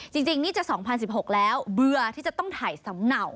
จริงนี่จะ๒๐๑๖แล้วเบื่อที่จะต้องถ่ายสำเนา